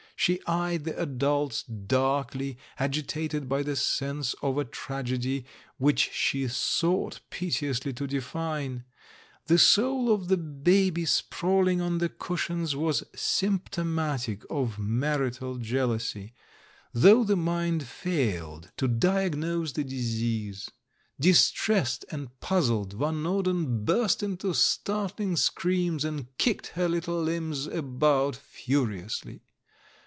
She eyed the adults darkly, agitated by the sense of a tragedy which she sought pite ously to define. The soul of the baby sprawling on the cushions was sympto natic of marital jeal ousy, though the mind failed to diagnose the dis S40 THE MAN WHO UNDERSTOOD WOMEN ease. Distressed and puzzled, Van Norden burst into startling screams, and kicked her little limbs about furiously.